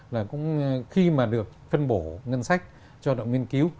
là cũng khi mà được phân bổ ngân sách cho động nghiên cứu